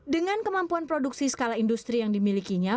dengan kemampuan produksi skala industri yang dimilikinya